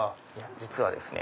実はですね。